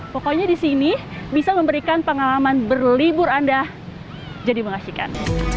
pokoknya di sini bisa memberikan pengalaman berlibur anda jadi mengasihkan